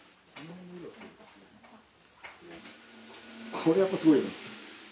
これやっぱすごいよね。